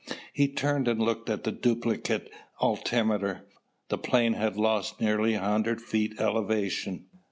He turned and looked at the duplicate altimeter. The plane had lost nearly a hundred feet elevation.